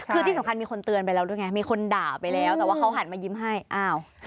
คือที่สำคัญมีคนเตือนไปแล้วด้วยไงมีคนด่าไปแล้วแต่ว่าเขาหันมายิ้มให้อ้าว